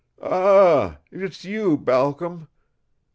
"Ah, it's you, Balcom.